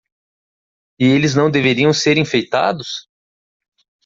E eles não deveriam ser enfeitados?